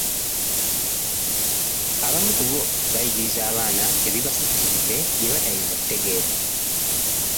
Abamu ku bo bayigiriza abaana ebibasukkiridde, bye batayinza kutegeera.